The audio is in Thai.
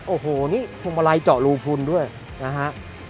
โอ้โหนี่พวงมาลัยเจาะรูพุนด้วยนะฮะ